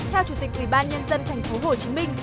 theo chủ tịch quỹ ban nhân dân tp hcm